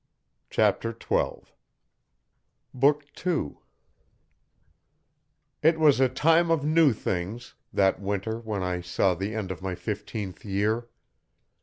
BOOK TWO Chapter 12 It was a time of new things that winter when I saw the end of my fifteenth year.